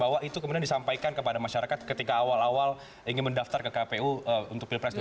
bahwa itu kemudian disampaikan kepada masyarakat ketika awal awal ingin mendaftar ke kpu untuk pilpres dua ribu sembilan